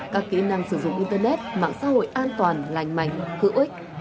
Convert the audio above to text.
các kỹ năng sử dụng internet mạng xã hội an toàn lành mạnh hữu ích